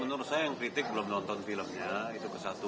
menurut saya yang kritik belum nonton filmnya itu ke satu